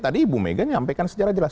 tadi ibu mega menyampaikan sejarah lain